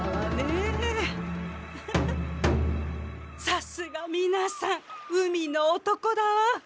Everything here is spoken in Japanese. さすがみなさん海の男だわ！